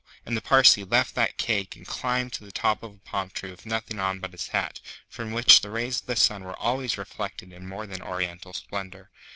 and the Parsee left that cake and climbed to the top of a palm tree with nothing on but his hat, from which the rays of the sun were always reflected in more than oriental splendour.